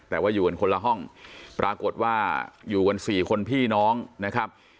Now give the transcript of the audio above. แต่ว่าอยู่กันคนละห้องปรากฏว่าอยู่กันสี่คนพี่น้องนะครับ